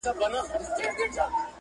زه پر خپلي ناشکرۍ باندي اوس ژاړم؛